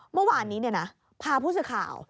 เมื่อวานนี้พาผู้สื่อข่าว